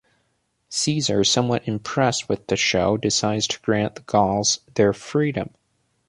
Caesar, somewhat impressed with the show, decides to grant the Gauls their freedom.